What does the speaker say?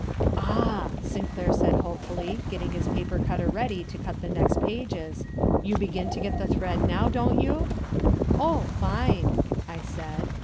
"Ah," Sinclair said hopefully, getting his paper cutter ready to cut the next pages, "you begin to get the thread now, don't you?" "Oh, fine!" I said.